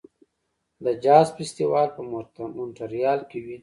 د جاز فستیوال په مونټریال کې وي.